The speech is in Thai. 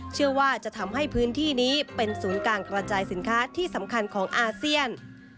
เชื่อว่าจะทำให้พื้นที่นี้เป็นศูนย์การกระจายสินค้าที่สำคัญของอาเซียน